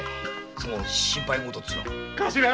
その心配事ってのは。